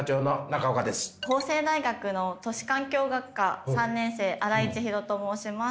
法政大学の都市環境学科３年生新井千尋と申します。